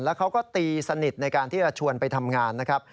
แล้วเขาก็ตีสนิทในการที่จะชวนไปทำงานนะครับ